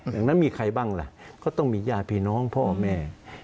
ดังนั้นมีใครบ้างล่ะก็ต้องมีญาติพี่น้องพ่อแม่